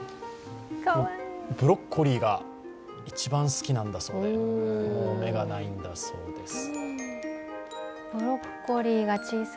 ブロッコリーが一番好きなんだそうで目がないんだそうです。